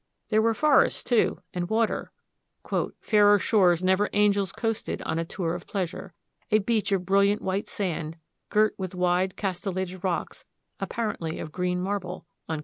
There were forests, too, and water, "fairer shores never angels coasted on a tour of pleasure. A beach of brilliant white sand, girt with wild castellated rocks, apparently of green marble."